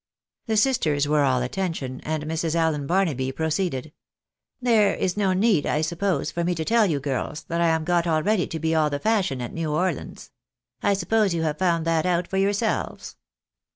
The sisters were all attention, and Mrs. Allen Barnaby pro ceeded —" There is no need, I suppose, for me to tell you, girls, that I'm got already to be all the fashion at 'New Orleans. I suppose you have found that out for yourselves